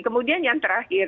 kemudian yang terakhir